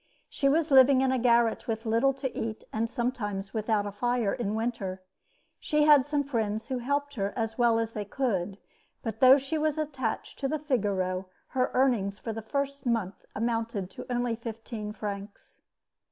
She was living in a garret, with little to eat, and sometimes without a fire in winter. She had some friends who helped her as well as they could, but though she was attached to the Figaro, her earnings for the first month amounted to only fifteen francs.